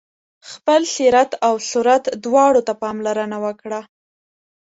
خپل سیرت او صورت دواړو ته پاملرنه وکړه.